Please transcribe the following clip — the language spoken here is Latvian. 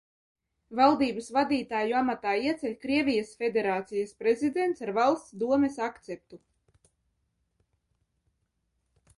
Valdības vadītāju amatā ieceļ Krievijas Federācijas Prezidents ar Valsts Domes akceptu.